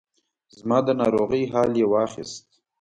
زما د ناروغۍ حال یې واخیست.